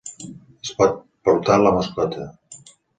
Es pot portar la mascota.